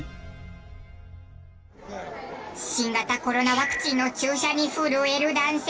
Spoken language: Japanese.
新型コロナワクチンの注射に震える男性。